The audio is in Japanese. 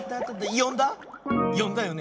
よんだよね？